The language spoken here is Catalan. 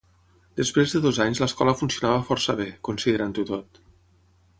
Després de dos anys l'escola funcionava força bé, considerant-ho tot.